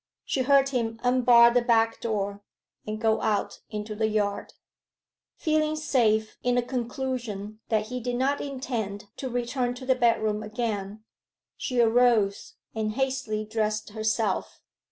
She heard him unbar the back door, and go out into the yard. Feeling safe in a conclusion that he did not intend to return to the bedroom again, she arose, and hastily dressed herself.